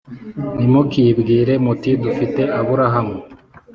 Ntimukibwire muti ‘Dufite Aburahamu,